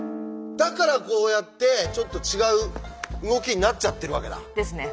だからこうやってちょっと違う動きになっちゃってるわけだ。ですね。